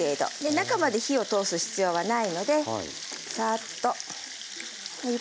中まで火を通す必要はないのでサーッと色が変われば大丈夫です。